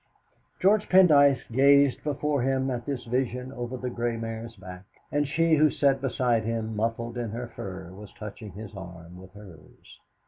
George Pendyce gazed before him at this vision over the grey mare's back, and she who sat beside him muffled in her fur was touching his arm with hers.